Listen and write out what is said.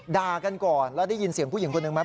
ด่ากันก่อนแล้วได้ยินเสียงผู้หญิงคนหนึ่งไหม